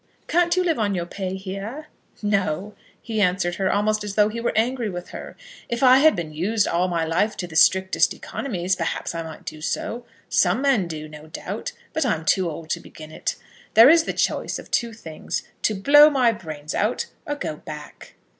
"Can't you live on your pay here?" "No!" He answered her almost as though he were angry with her. "If I had been used all my life to the strictest economies, perhaps I might do so. Some men do, no doubt; but I am too old to begin it. There is the choice of two things, to blow my brains out, or go back."